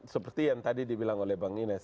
seperti yang tadi dibilang oleh bang ines